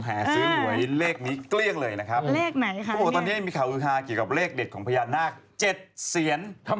ไหนโอเครอเวลาเยอะนะนี่